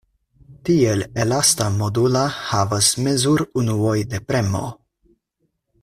Tiel elasta modula havas mezurunuoj de premo.